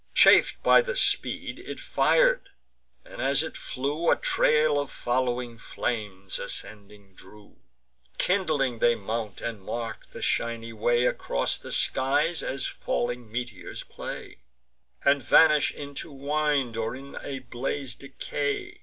Chaf'd by the speed, it fir'd; and, as it flew, A trail of following flames ascending drew: Kindling they mount, and mark the shiny way; Across the skies as falling meteors play, And vanish into wind, or in a blaze decay.